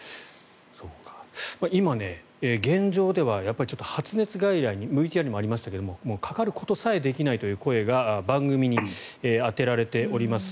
今、現状では発熱外来にＶＴＲでもありましたがかかることさえできないという声が番組に当てられております。